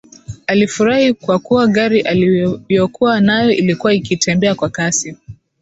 Alifurahi kwa kuwa gari aliyokuwa nayo ilikuwa ikitembea kwa kasi